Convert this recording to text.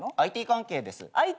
ＩＴ関係です。